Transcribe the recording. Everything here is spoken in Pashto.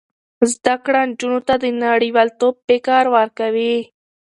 زده کړه نجونو ته د نړیوالتوب فکر ورکوي.